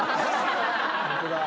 ・ホントだ。